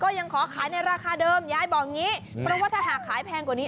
ยังขอขายในราคาเดิมยายบอกอย่างนี้เพราะว่าถ้าหากขายแพงกว่านี้